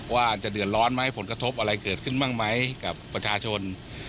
ว่าจะเดือดร้อนไหมผลกระทบอะไรเกิดขึ้นบ้างไหมกับประชาชน